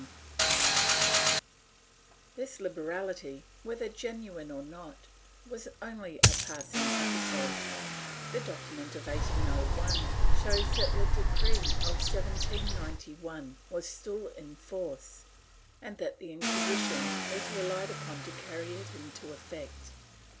^ This liberality, whether genuine or not, was only a passing episode. A document of 1801 shows that the decree of 1791 was still in force, and that the Inquisition was relied upon to carry it into effect.